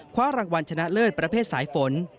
คว้ารางวัลชนะเลิศประเภทสายฝน